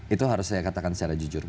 itu harus saya katakan secara jujur